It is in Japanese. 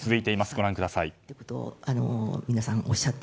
ご覧ください。